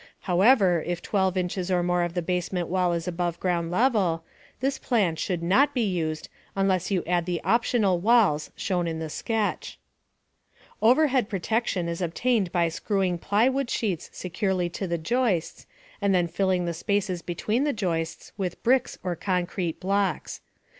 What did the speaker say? However, if 12 inches or more of the basement wall is above ground level, this plan should not be used unless you add the "optional walls" shown in the sketch. Overhead protection is obtained by screwing plywood sheets securely to the joists, and then filling the spaces between the joists with bricks or concrete blocks.